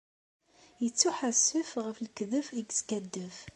Yettuḥasef ɣef lekdeb i yeskaddeb.